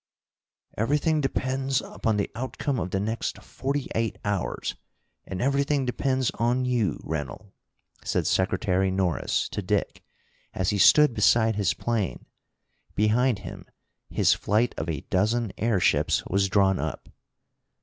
"Everything depends upon the outcome of the next forty eight hours, and everything depends on you, Rennell," said Secretary Norris to Dick, as he stood beside his plane. Behind him his flight of a dozen airships was drawn up.